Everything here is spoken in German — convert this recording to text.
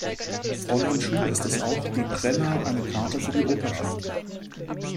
Fräulein Schuh ist es auch, die Brenner eine Karte für die Oper schenkt.